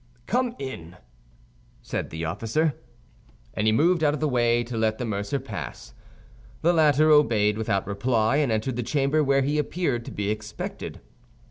"Come in," said the officer. And he moved out of the way to let the mercer pass. The latter obeyed without reply, and entered the chamber, where he appeared to be expected.